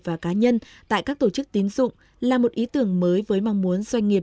và cá nhân tại các tổ chức tín dụng là một ý tưởng mới với mong muốn doanh nghiệp